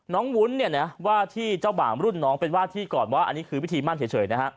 วุ้นเนี่ยนะว่าที่เจ้าบ่าวรุ่นน้องเป็นว่าที่ก่อนว่าอันนี้คือวิธีมั่นเฉยนะฮะ